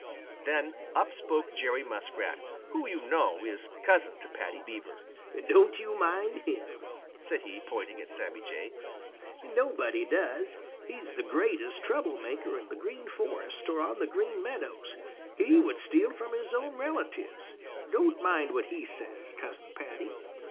Then up spoke Jerry Muskrat, who, you know, is cousin to Paddy the Beaver. "Don't you mind him," said he, pointing at Sammy Jay. "Nobody does. He's the greatest trouble maker in the Green Forest or on the Green Meadows. He would steal from his own relatives. Don't mind what he says, Cousin Paddy."